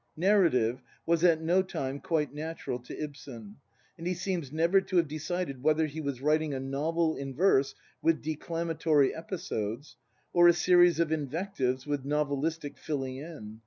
Narrative was at no time quite natural to Ibsen, and he seems never to have decided whether he was writing a novel in verse with declamatory episodes, or a series of invectives with novelistic filling in.